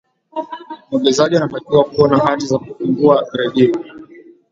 mwekezaji anatakiwa kuwa na hati za kufungua redio